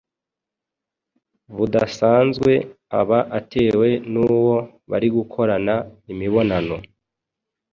budasanzwe aba atewe n’uwo barigukorana imibonano